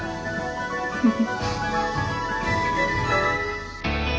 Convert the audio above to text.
フフ。